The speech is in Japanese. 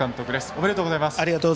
おめでとうございます。